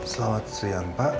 selamat siang pak